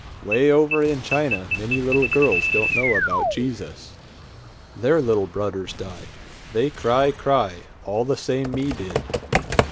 Way over in China many little girls don't know about Jesus. Their little brudders die. They cry, cry, all the same me did.